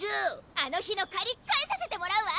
あの日の借り返させてもらうわ！